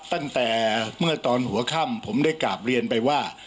ตั้งแต่เมื่อตอนหัวค่ำผมได้กราบเรียนไปว่า